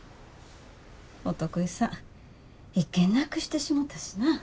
お得意さん１件なくしてしもたしな。